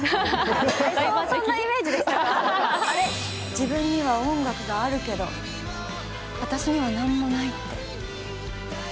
自分には音楽があるけど私には何もないってそう言いたいわけ？